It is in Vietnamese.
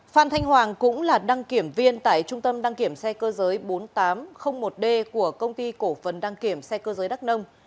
phan thanh hoàng cũng là đăng kiểm viên tại trung tâm đăng kiểm xe cơ giới bốn nghìn tám trăm linh một d của công ty cổ phần đăng kiểm xe cơ giới đắc nông